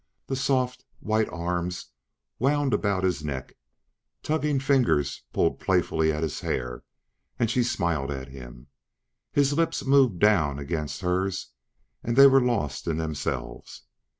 The soft, white arms wound about his neck, tugging fingers pulled playfully at his hair and she smiled at him. His lips moved down against hers and they were lost in themselves.